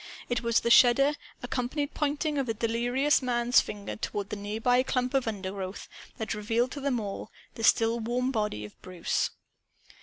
It was the shudder accompanied pointing of the delirious man's finger, toward the nearby clump of undergrowth, that revealed to them the still warm body of Bruce.